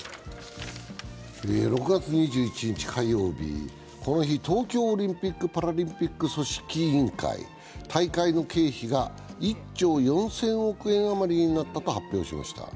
６月２１日火曜日、この日、東京オリンピック・パラリンピック組織委員会、大会の経費が１兆４０００億円あまりになったと発表しました。